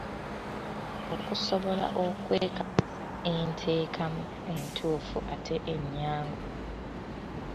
Okusobola okwekakasa enteekamu entuufu ate ennyangu.